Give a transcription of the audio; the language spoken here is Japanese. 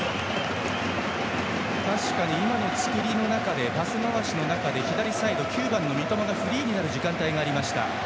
確かに今の作りの中でパス回しで左サイド、９番の三笘がフリーになる時間帯がありました。